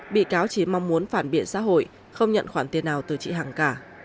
bị cáo chỉ mong muốn phản biện xã hội không nhận khoản tiền nào từ chị hằng cả